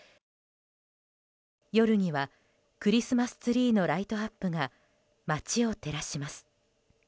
夜にはクリスマスツリーのライトアップが街を照らします。